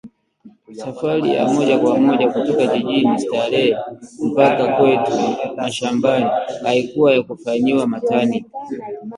Safari ya moja kwa moja kutoka jijini Starehe mpaka kwetu mashambani haikuwa ya kufanyiwa matani